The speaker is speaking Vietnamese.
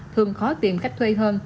thường khó tìm khách thuê hơn